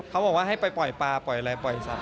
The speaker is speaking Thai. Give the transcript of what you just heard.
เขาบอกว่าให้ไปปล่อยปลาปล่อยอะไรปล่อยสัตว